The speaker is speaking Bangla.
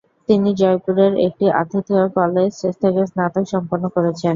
তিনি জয়পুরের একটি আতিথেয় কলেজ থেকে স্নাতক সম্পন্ন করেছেন।